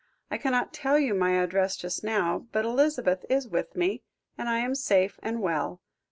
I cannot tell you my address just now, but Elizabeth is with me, and I am safe and well.